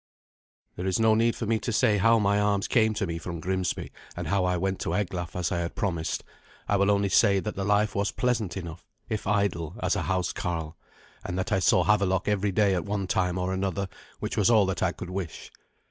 There is no need for me to say how my arms came to me from Grimsby, and how I went to Eglaf as I had promised. I will only say that the life was pleasant enough, if idle, as a housecarl, and that I saw Havelok every day at one time or another, which was all that I could wish.